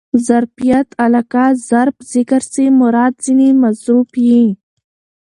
ظرفیت علاقه؛ ظرف ذکر سي مراد ځني مظروف يي.